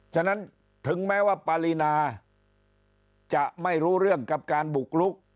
ฉะนั้นถึงแม้ว่าปารีนาจะไม่รู้เรื่องกับการบุกลุก